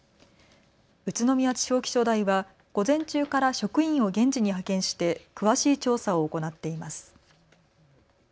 宇都宮地方気象台は午前中から職員を現地に派遣して詳しい調査を行っています。